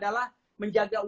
dug patreon ni di di abs oke